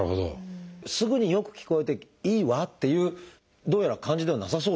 すぐに「よく聞こえていいわ」っていうどうやら感じではなさそうですね。